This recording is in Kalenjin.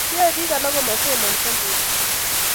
yae biik alak komasomanyo mising